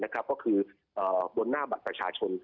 ก็คือบนหน้าบัตรประชาชน